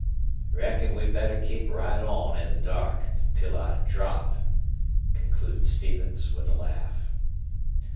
"Reckon we'd better keep right on in the dark till I drop," concluded Stevens, with a laugh.